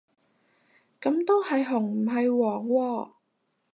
噉都係紅唔係黃喎